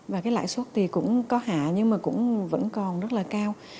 và cái lãi suất thì cũng có hạ nhưng mà cũng vẫn còn rất là cao